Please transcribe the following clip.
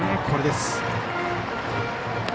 これもです。